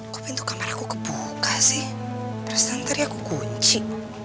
kok pintu kamar aku kebuka sih terus ntar ya aku kunci